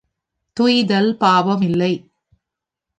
துய்த்தல் பாபம் இல்லை.